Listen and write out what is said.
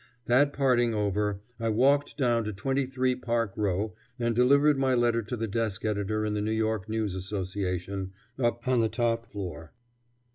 That parting over, I walked down to 23 Park Row and delivered my letter to the desk editor in the New York News Association, up on the top floor.